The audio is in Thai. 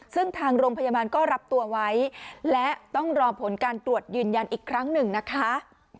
ซึ่งทางโรงพยาบาลก็รับตัวไว้และต้องรอผลการตรวจยืนยันอีกครั้งหนึ่งนะคะ